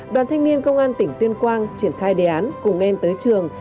đoàn thanh niên công an tỉnh tuyên quang triển khai đề án cùng em tới trường